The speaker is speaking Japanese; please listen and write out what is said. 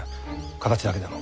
形だけでも。